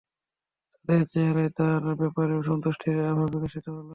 তাদের চেহারায় তার ব্যাপারে সন্তুষ্টির আভা বিকশিত হল।